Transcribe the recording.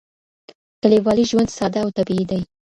کلیوالي ژوند ساده او طبیعي دی.